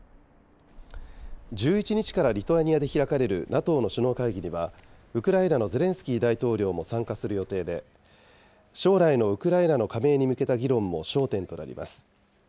１１日からリトアニアで開かれるＮＡＴＯの首脳会議にはウクライナのゼレンスキー大統領も参加する予定で、将来のウクライナの加盟に向けた議論も焦点となります。